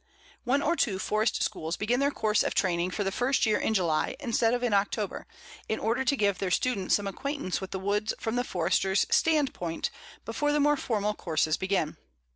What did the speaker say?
One or two forest schools begin their course of training for the first year in July instead of in October, in order to give their students some acquaintance with the woods from the Forester's standpoint before the more formal courses begin.